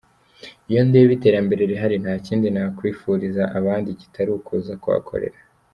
Iyo ndeba iterambere rihari nta kindi nakwifuriza abandi kitari ukuza kuhakorera.